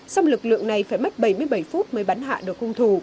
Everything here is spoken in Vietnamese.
xong lực lượng này phải mất bảy mươi bảy phút mới bắn hạ đồ cung thủ